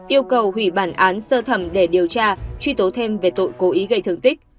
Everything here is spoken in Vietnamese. yêu cầu hủy bản án sơ thẩm để điều tra truy tố thêm về tội cố ý gây thương tích